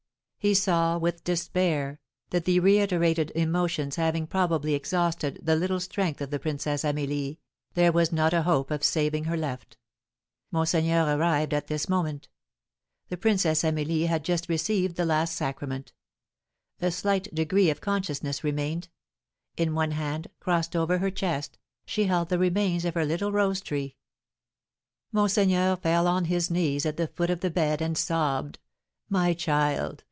He saw with despair that the reiterated emotions having probably exhausted the little strength of the Princess Amelie, there was not a hope of saving her left. Monseigneur arrived at this moment. The Princess Amelie had just received the last sacrament; a slight degree of consciousness remained. In one hand, crossed over her chest, she held the remains of her little rose tree. Monseigneur fell on his knees at the foot of the bed, and sobbed, "My child!